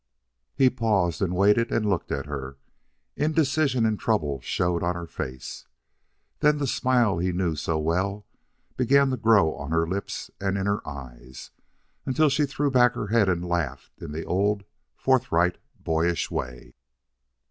He paused, and waited, and looked at her. Indecision and trouble showed on her face. Then the smile he knew so well began to grow on her lips and in her eyes, until she threw back her head and laughed in the old forthright boyish way.